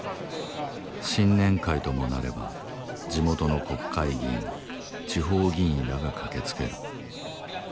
新年会ともなれば地元の国会議員地方議員らが駆けつける